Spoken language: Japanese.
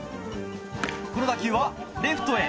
この打球はレフトへ。